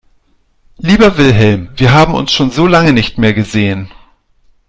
Lieber Wilhelm, wir haben uns schon so lange nicht mehr gesehen.